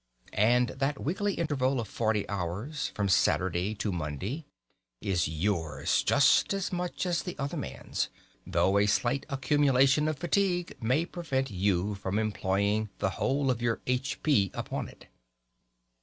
And that weekly interval of forty hours, from Saturday to Monday, is yours just as much as the other man's, though a slight accumulation of fatigue may prevent you from employing the whole of your "h.p." upon it.